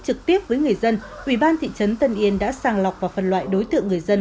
trực tiếp với người dân ủy ban thị trấn tân yên đã sàng lọc vào phần loại đối tượng người dân